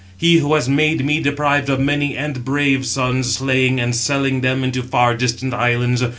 He who has made me deprived of many and brave sons, slaying, and selling them into far distant islands.